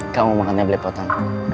kamu makannya blepotan